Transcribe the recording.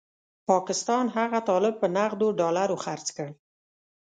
پاکستان هغه طالب په نغدو ډالرو خرڅ کړ.